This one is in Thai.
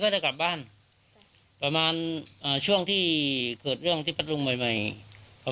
เพราะว่าประวัติเนอะ